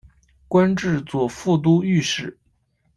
官至左副都御史。